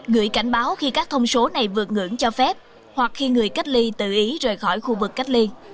gửi cảnh báo khi các thông số này vượt ngưỡng cho phép hoặc khi người cách ly tự ý rời khỏi khu vực cách ly